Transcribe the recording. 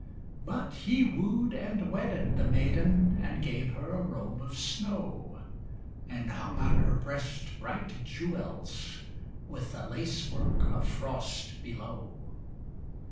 But he wooed and wedded the maiden, And gave her a robe of snow; And hung on her breast bright jewels, With a lace work of frost below.